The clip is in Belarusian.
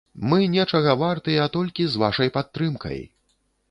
Мы нечага вартыя толькі з вашай падтрымкай!